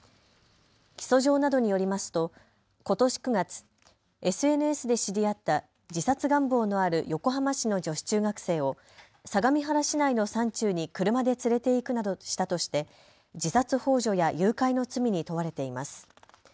起訴状などによりますとことし９月、ＳＮＳで知り合った自殺願望のある横浜市の女子中学生を相模原市内の山中に車で連れて行くなどしたとして自殺ほう助や誘拐の罪に問われています。